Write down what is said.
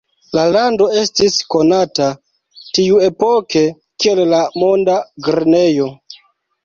La lando estis konata tiuepoke kiel la "monda grenejo".